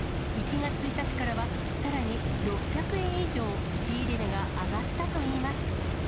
１月１日からは、さらに６００円以上仕入れ値が上がったといいます。